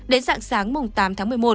đến sạng sáng tám một mươi một